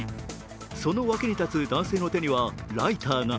その脇に立つ男性の手にはライターが。